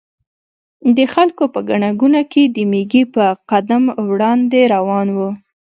د خلکو په ګڼه ګوڼه کې د مېږي په قدم وړاندې روان و.